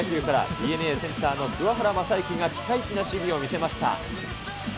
ＤｅＮＡ、センターの桑原将志がピカイチな守備を見せました。